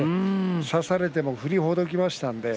差されても振りほどきました。